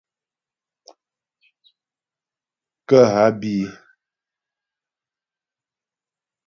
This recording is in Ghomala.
Kə́ há bí í.